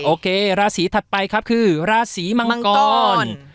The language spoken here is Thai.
โอเคราศีถัดไปครับคือราศีมังกร